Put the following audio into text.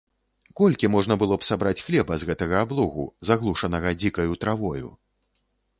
Колькі можна было б сабраць хлеба з гэтага аблогу, заглушанага дзікаю травою?